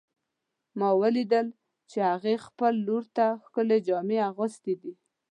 ما ولیدل چې هغې خپل لور ته ښکلې جامې اغوستې دي